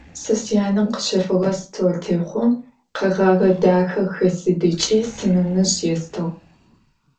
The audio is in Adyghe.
Se syane khışefığe stoltêxhom kheğeğe daxe xesıdıç'i, sinenezj yêstığ.